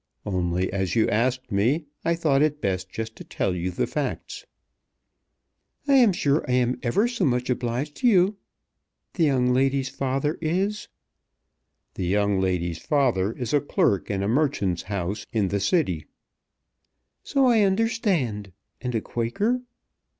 Only as you asked me I thought it best just to tell you the facts." "I am sure I am ever so much obliged to you. The young lady's father is " "The young lady's father is a clerk in a merchant's office in the City." "So I understand, and a Quaker?"